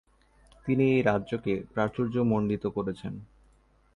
তিনি এই রাজ্যকে প্রাচূর্য্যমণ্ডিত করেছেন।